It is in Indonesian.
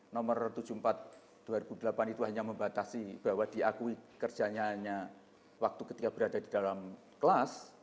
nomor tujuh puluh empat dua ribu delapan itu hanya membatasi bahwa diakui kerjanya hanya waktu ketika berada di dalam kelas